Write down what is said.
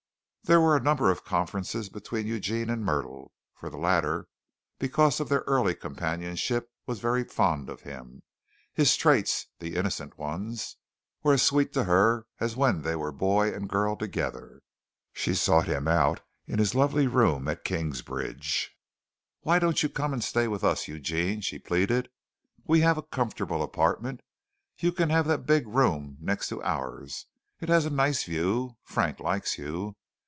There were a number of conferences between Eugene and Myrtle, for the latter, because of their early companionship, was very fond of him. His traits, the innocent ones, were as sweet to her as when they were boy and girl together. She sought him out in his lovely room at Kingsbridge. "Why don't you come and stay with us, Eugene?" she pleaded. "We have a comfortable apartment. You can have that big room next to ours. It has a nice view. Frank likes you.